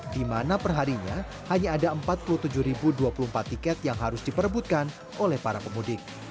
di mana perharinya hanya ada empat puluh tujuh dua puluh empat tiket yang harus diperebutkan oleh para pemudik